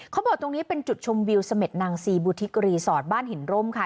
เขาบอกตรงนี้เป็นจุดชมวิวเสม็ดนางซีบุธิกรีสอร์ทบ้านหินร่มค่ะ